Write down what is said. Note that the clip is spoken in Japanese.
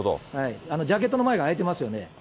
ジャケットの前が開いてますよね。